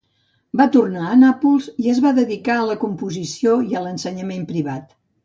Va tornar a Nàpols i es va dedicar a la composició i a l'ensenyament privat.